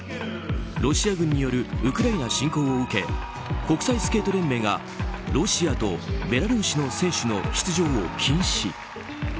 ロシア軍によるウクライナ侵攻を受け国際スケート連盟がロシアとベラルーシの選手の出場を禁止。